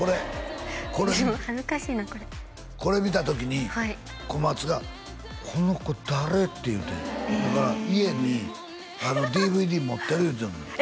これ自分恥ずかしいなこれこれ見た時に小松がこの子誰！？って言うてだから家にＤＶＤ持ってる言うてたもんえ